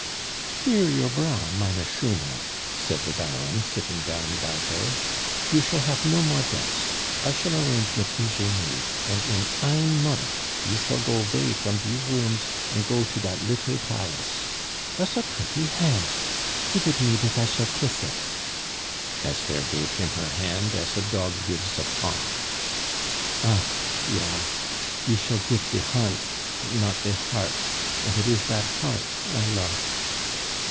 "Clear your brow, meine Schone," said the Baron, sitting down by her. "You shall hafe no more debts I shall arrange mit Eugenie, an' in ein mont you shall go 'vay from dese rooms and go to dat little palace. Vas a pretty hant. Gife it me dat I shall kiss it." Esther gave him her hand as a dog gives a paw. "Ach, ja! You shall gife de hant, but not de heart, and it is dat heart I lofe!"